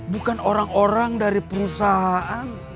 bukan orang orang dari perusahaan